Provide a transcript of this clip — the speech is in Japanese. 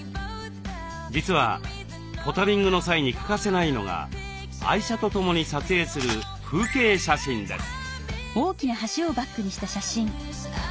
実はポタリングの際に欠かせないのが愛車とともに撮影する風景写真です。